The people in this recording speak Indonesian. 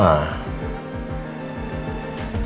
ada apa sih